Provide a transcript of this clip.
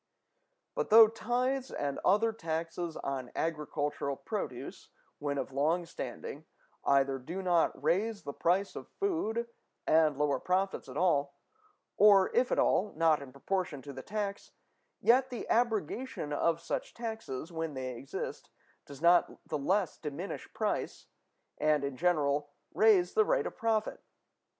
But though tithes and other taxes on agricultural produce, when of long standing, either do not raise the price of food and lower profits at all, or, if at all, not in proportion to the tax, yet the abrogation of such taxes, when they exist, does not the less diminish price, and, in general, raise the rate of profit.